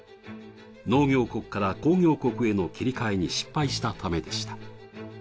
農業国から工業国への切り替えに失敗したためでした。